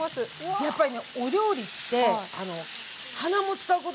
やっぱりねお料理って鼻も使うことも大事なんですよ。